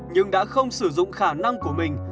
nhưng đã không sử dụng khả năng của mình